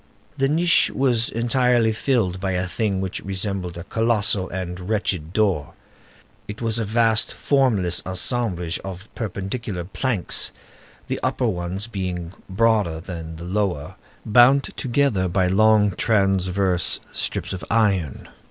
The niche was entirely filled by a thing which resembled a colossal and wretched door; it was a vast, formless assemblage of perpendicular planks, the upper ones being broader than the lower, bound together by long transverse strips of iron.